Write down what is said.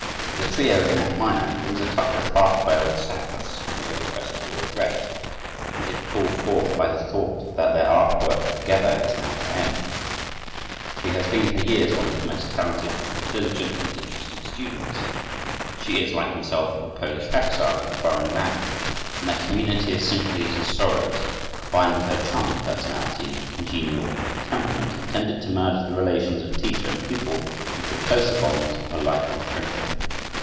The trio, in F minor, brings a touch of half veiled sadness and irrepressible regret, as if called forth by the thought that their art work together is now to end. She has been for years one of his most talented, diligent, and interesting students. She is, like himself, a Polish exile in a foreign land, and their community of sympathies and sorrows, combined with her charming personality and congenial temperament, have tended to merge the relations of teacher and pupil into the closer bonds of a life long friendship.